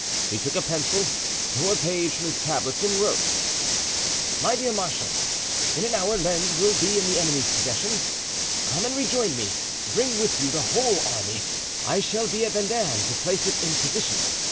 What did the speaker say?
He took a pencil, tore a page from his tablets and wrote: "My Dear Marshal,—In an hour Lens will be in the enemy's possession. Come and rejoin me; bring with you the whole army. I shall be at Vendin to place it in position.